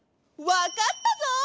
わかったぞ！